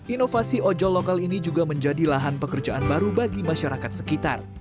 inovasi ojol lokal ini juga menjadi lahan pekerjaan baru bagi masyarakat sekitar